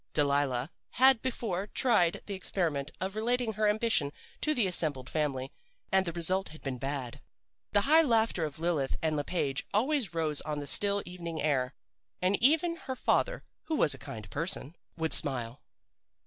"Delilah had before tried the experiment of relating her ambition to the assembled family, and the result had been bad. The high laughter of Lilith and Le Page always rose on the still evening air, and even her father, who was a kind person, would smile.